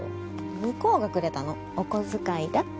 向こうがくれたのお小遣いだって